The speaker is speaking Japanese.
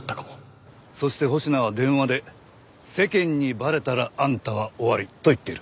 そして保科は電話で「世間にバレたらあんたは終わり」と言っている。